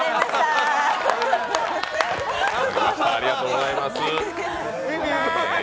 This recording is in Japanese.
ありがとうございます。